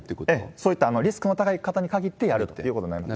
そういったリスクの高い方に限ってやるということになります。